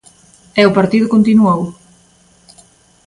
E o partido continuou.